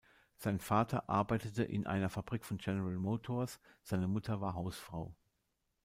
Sein Vater arbeitete in einer Fabrik von General Motors; seine Mutter war Hausfrau.